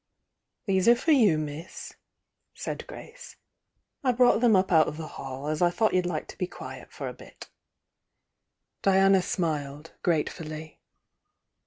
"These are for you, miss," said Grace. 'I brought them up out of the hall, as I thought you'd like to be quiet for a bit." Diana smiled, gratefully.